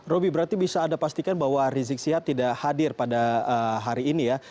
roby berarti bisa anda pastikan bahwa rizik sihab tidak hadir pada hari ini ya